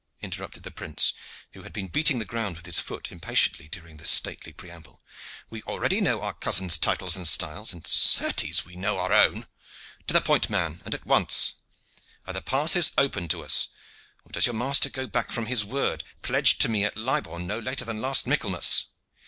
interrupted the prince, who had been beating the ground with his foot impatiently during this stately preamble. "We already know our cousin's titles and style, and, certes, we know our own. To the point, man, and at once. Are the passes open to us, or does your master go back from his word pledged to me at Libourne no later than last Michaelmas?"